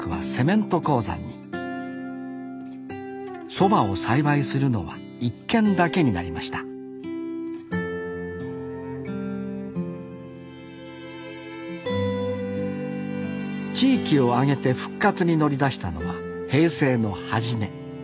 そばを栽培するのは１軒だけになりました地域を挙げて復活に乗り出したのは平成の初め。